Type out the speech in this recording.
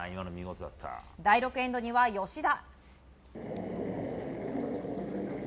第６エンドには吉田。